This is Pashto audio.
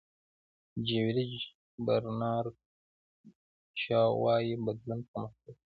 جیورج برنارد شاو وایي بدلون پرمختګ دی.